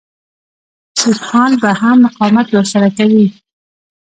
سیکهان به هم مقاومت ورسره کوي.